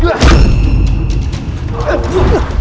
kalau kamu bahkan tougher photo' ya